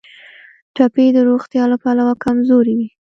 ټپي د روغتیا له پلوه کمزوری وي.